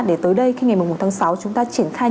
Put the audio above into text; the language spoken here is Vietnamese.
để tới đây khi ngày một mươi một tháng sáu chúng ta triển khai